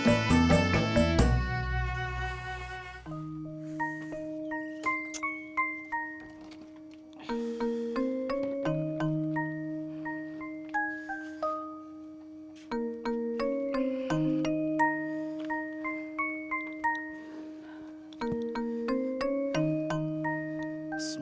tidak ada yang bisa dihukum